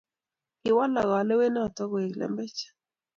Kiwalak kilowonotok koek lembech